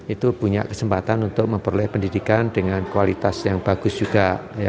itu punya kesempatan untuk memperoleh pendidikan dengan kualitas yang bagus juga